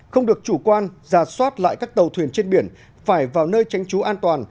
không được chủ quan giả soát lại các tàu thuyền trên biển phải vào nơi tránh trú an toàn